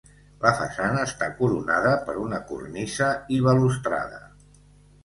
La façana està coronada per una cornisa i balustrada.